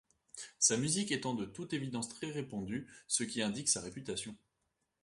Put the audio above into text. Sa musique étant de toute évidence très répandue, ce qui indique sa réputation.